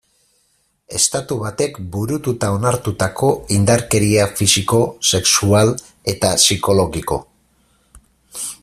Estatu batek burutu eta onartutako indarkeria fisiko, sexual eta psikologiko.